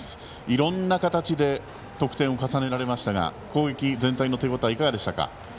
いろんな形で得点を重ねられましたが攻撃全体の手応えはいかがですか。